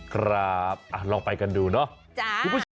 ครับลองไปกันดูเนาะ